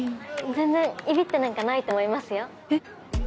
全然いびってなんかないと思いますよ。え？